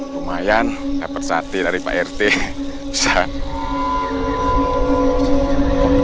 lumayan lepas hati dari pak rt saat